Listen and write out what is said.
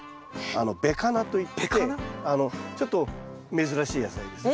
ベカナといってちょっと珍しい野菜です。